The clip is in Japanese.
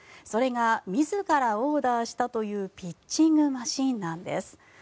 それが自らオーダーしたというピッチングマシンなんです。